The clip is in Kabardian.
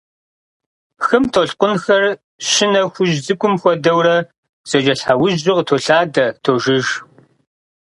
Хым толъкъунхэр щынэ хужь цӏыкӏум хуэдэурэ, зэкӏэлъхьэужьу къытолъадэ, тожыж.